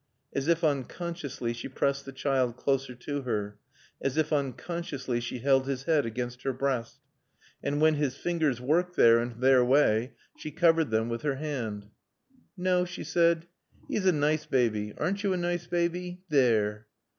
As if unconsciously she pressed the child closer to her. As if unconsciously she held his head against her breast. And when his fingers worked there, in their way, she covered them with her hand. "No," she said. "He's a nice baby. (Aren't you a nice baby? There!)